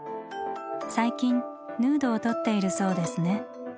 最近ヌードを撮っているそうですね。